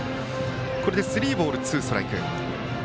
これでスリーボールツーストライク。